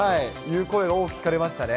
声が多く聞かれましたね。